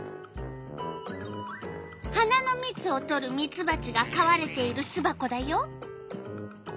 花のみつをとるミツバチがかわれているすばこだよ。